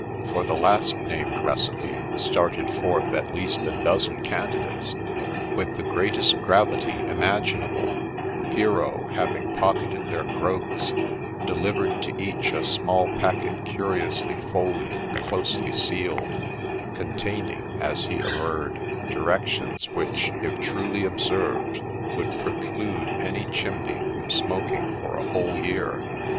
For the last named recipe started forth at least a dozen candidates. With the greatest gravity imaginable, Pierrot, having pocketed their groats, delivered to each a small packet curiously folded and closely sealed, contain ing, as he averred, directions which, if truly observed, would preclude any chimney from smoking for a whole year.